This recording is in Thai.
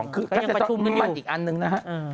คือกาเศรษฐกรมั่นอีกอันนึงนะครับ